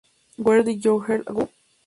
Where Did Your Heart Go?